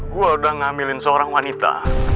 gua udah ngamilin seorang wanita